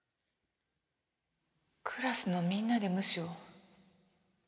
クラスのみんなで無視を？